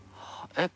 えっ？